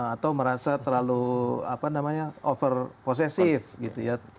atau merasa terlalu over posesif gitu ya